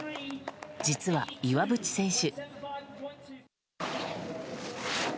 実は、岩渕選手。